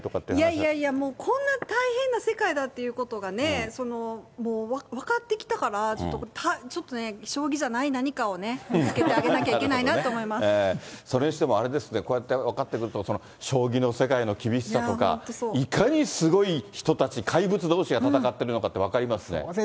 いやいやいや、もうこんな大変な世界だっていうことがね、もう分かってきたから、ちょっとね、将棋じゃない何かをね、見つけてあげなきゃいけないそれにしても、あれですね、こうやって分かってくると、将棋の世界の厳しさとか、いかにすごい人たち、怪物どうしが戦ってるのかって分かりますね。